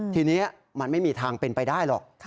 ทีนี้มันไม่มีทางเป็นไปได้หรอก